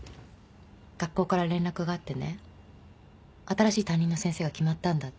学校から連絡があってね新しい担任の先生が決まったんだって。